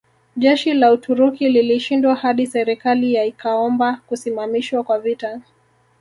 Jeshi la Uturuki lilishindwa hadi serikali ya ikaomba kusimamishwa kwa vita